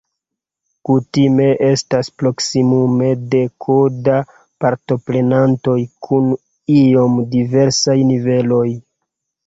Kutime estas proksimume deko da partoprenantoj kun iom diversaj niveloj.